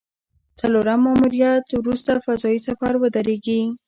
څلورم ماموریت وروسته فضايي سفر ودرېږي